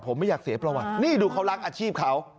ผมไม่อยากเสียประวัตินี่ดูเขารักอาชีพเขา